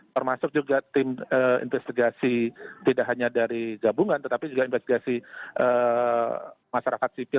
termasuk juga tim investigasi tidak hanya dari gabungan tetapi juga investigasi masyarakat sipil